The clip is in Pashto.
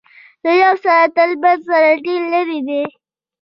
له یوه سر تر بل سر ډیر لرې دی.